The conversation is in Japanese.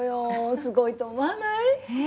すごいと思わない？え。